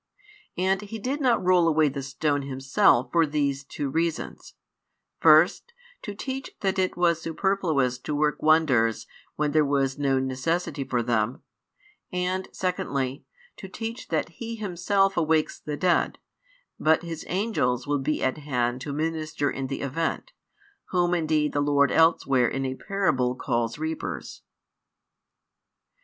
And He did not roll away the stone Himself for these two reasons: first, to teach that it was superfluous to work wonders when there was no necessity for them; and |125 secondly, [to teach] that He Himself awakes the dead, but His angels will be at hand to minister in the event, whom indeed the Lord elsewhere in a parable calls reapers.